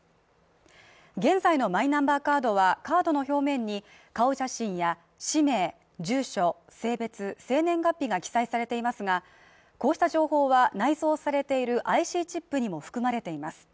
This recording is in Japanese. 現在のマイナンバーカードはカードの表面に顔写真や氏名、住所、性別、生年月日が記載されていますがこうした情報は内蔵されているＩＣチップにも含まれています